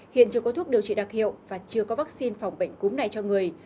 hiện chưa có thuốc điều trị đặc hiệu và chưa có vaccine phòng bệnh cúm này cho người